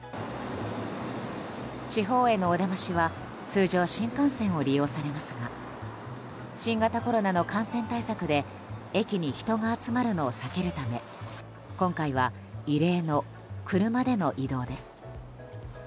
地方へのお出ましは通常、新幹線を利用されますが新型コロナの感染対策で駅に人が集まるのを避けるため今回は異例の車での移動です。